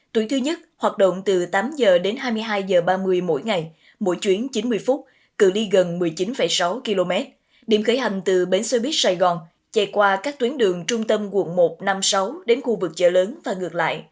tuổi thứ nhất hoạt động từ tám h đến hai mươi hai h ba mươi mỗi ngày mỗi chuyến chín mươi phút cử ly gần một mươi chín sáu km điểm khởi hành từ bến xe buýt sài gòn chạy qua các tuyến đường trung tâm quận một năm sáu đến khu vực chợ lớn và ngược lại